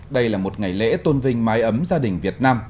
đây là một ngày lễ tôn vinh mái ấm gia đình việt nam